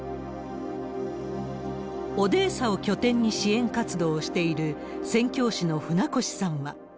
オデーサを拠点に支援活動をしている、宣教師の船越さんは。